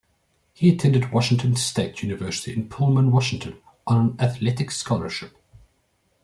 He attended Washington State University in Pullman, Washington, on an athletic scholarship.